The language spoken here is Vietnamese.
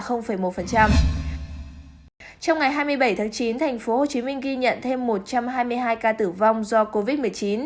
trong ngày hai mươi bảy tháng chín tp hcm ghi nhận thêm một trăm hai mươi hai ca tử vong do covid một mươi chín